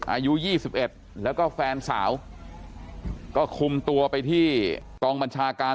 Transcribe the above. อายุ๒๑แล้วก็แฟนสาวก็คุมตัวไปที่กองบัญชาการ